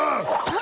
あ！